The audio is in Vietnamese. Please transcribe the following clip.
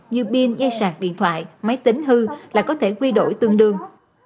như pin dây sạc điện thoại máy tính hư là có thể quy đổi tương đương